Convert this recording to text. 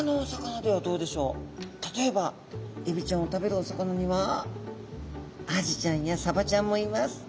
例えばエビちゃんを食べるお魚にはアジちゃんやサバちゃんもいます。